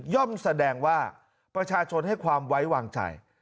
แสดงว่าประชาชนให้ความไว้วางใจ